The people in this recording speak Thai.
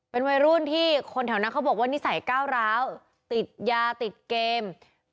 เป็นวัยรุ่นที่คนแถวนั้นเขาบอกว่านิสัยก้าวร้าวติดยาติดเกม